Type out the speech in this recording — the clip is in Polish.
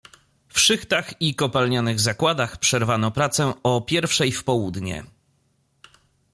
"W szychtach i kopalnianych zakładach przerwano pracę o pierwszej w południe."